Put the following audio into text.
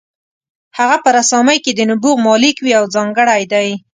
هغه په رسامۍ کې د نبوغ مالک وي او ځانګړی دی.